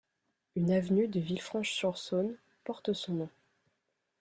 Une avenue de Villefranche-sur-Saône porte son nom.